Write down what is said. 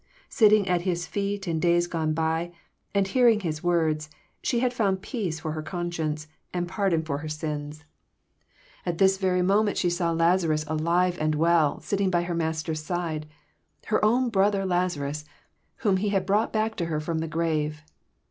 Sitting at His feet in days gone by, and hearing His words, she had found peace for her conscience, and pardon for her sins. At this 308 EXFOsrroBT thoughts. very moment she saw Lazaras, alive and well, sitting by her Master's side, — her own brother Lazarus, whom He had brought back to her from the grave.